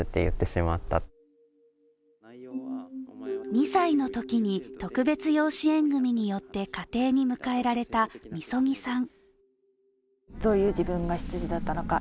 ２歳のときに、特別養子縁組によって家庭に迎えられたみそぎさん。